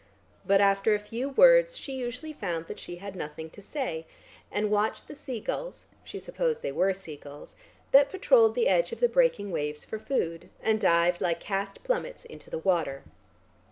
But after a few words she usually found that she had nothing to say, and watched the sea gulls (she supposed they were sea gulls) that patrolled the edge of the breaking waves for food, and dived like cast plummets into the water.